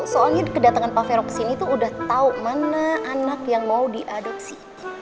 soalnya kedatangan pak vero kesini tuh udah tahu mana anak yang mau diadopsi